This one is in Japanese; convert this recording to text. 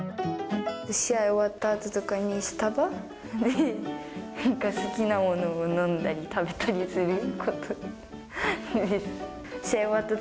試合終わったあととかに、スタバで好きなものを飲んだり食べたりすること。